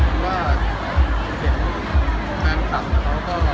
แฟนคลับเขาก็ไปแฟนกำลังใจผมนะ